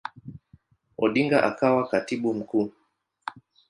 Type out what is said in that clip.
Odinga akawa Katibu Mkuu.